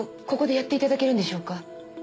ここでやっていただけるんでしょうか？